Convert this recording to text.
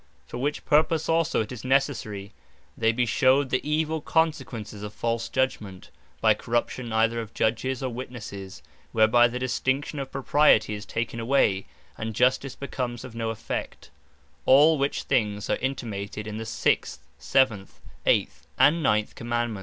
For which purpose also it is necessary they be shewed the evill consequences of false Judgement, by corruption either of Judges or Witnesses, whereby the distinction of propriety is taken away, and Justice becomes of no effect: all which things are intimated in the sixth, seventh, eighth, and ninth Commandements.